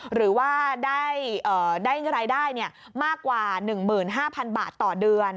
หรือว่าได้รายได้มากกว่า๑๕๐๐๐บาทต่อเดือน